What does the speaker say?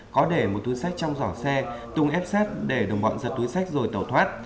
có để một túi sách trong giỏ xe tùng ép sát để đồng bọn giật túi sách rồi tẩu thoát